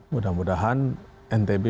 mudah mudahan ntb bisa menjadi yang terbaik